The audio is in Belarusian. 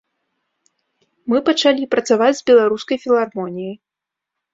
Мы пачалі працаваць з беларускай філармоніяй.